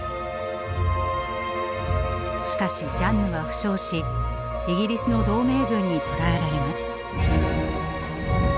しかしジャンヌは負傷しイギリスの同盟軍に捕らえられます。